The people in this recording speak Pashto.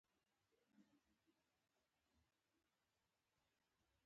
د کرکټ قواعد وخت پر وخت نوي کیږي.